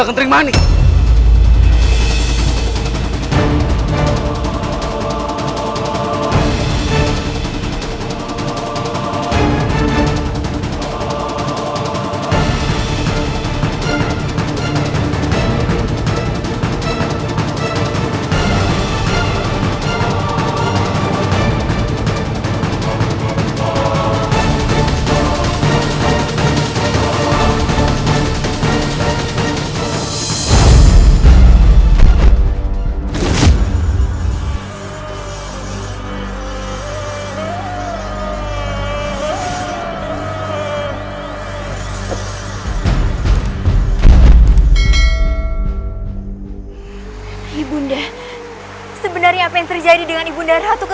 sampai jumpa di video selanjutnya